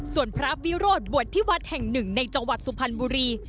ส่วนพระวิโรธบวชที่วัดแห่งหนึ่งในจังหวัดสุพรรณบุรี